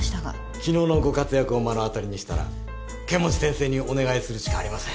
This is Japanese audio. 昨日のご活躍を目の当たりにしたら剣持先生にお願いするしかありません。